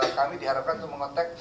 kami diharapkan untuk mengontek